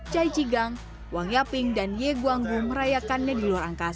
chai chigang wang yaping dan ye guanggu merayakannya di luar angkasa